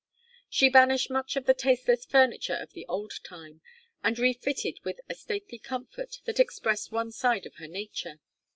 She banished much of the tasteless furniture of the old time, and refitted with a stately comfort that expressed one side of her nature.